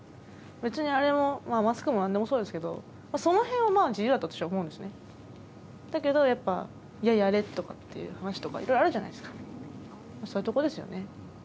別にあれもマスクも何でもそうですけどそのへんは自由だと私は思うんですねだけどやっぱいややれとかっていう話とか色々あるじゃないですかそういうとこですよね